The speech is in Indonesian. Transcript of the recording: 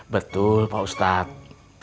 betul pak ustadz